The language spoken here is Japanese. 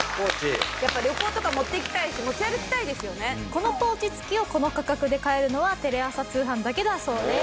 このポーチ付きをこの価格で買えるのはテレ朝通販だけだそうです。